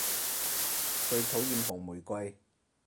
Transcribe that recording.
最討厭紅玫瑰